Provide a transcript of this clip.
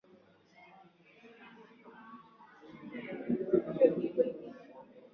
mita ishirini wakati maeneo ya ndani kabisa